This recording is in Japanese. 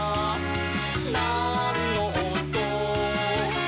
「なんのおと？」